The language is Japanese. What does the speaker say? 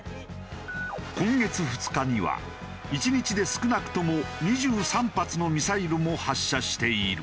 今月２日には１日で少なくとも２３発のミサイルも発射している。